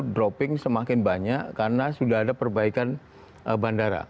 dropping semakin banyak karena sudah ada perbaikan bandara